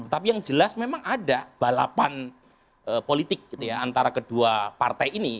tapi yang jelas memang ada balapan politik antara kedua partai ini